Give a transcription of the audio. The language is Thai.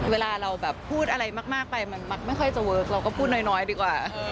เวลาเราแบบพูดอะไรมากไปมันมักไม่ค่อยจะเวิร์คเราก็พูดน้อยดีกว่า